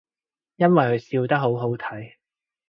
因為佢笑得好好睇